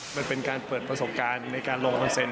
มันเป็นการเปิดประสบการณ์ในการลงเปอร์เซ็นต